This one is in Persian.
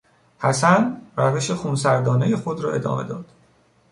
حسن روش خونسردانهی خود را ادامه داد.